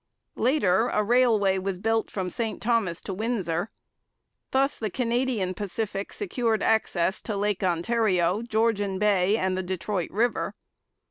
Later, a railway was built from St Thomas to Windsor. Thus the Canadian Pacific secured access to Lake Ontario, Georgian Bay, and the Detroit river.